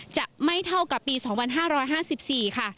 จะไม่เท่ากับปี๒๕๕๔ค่ะ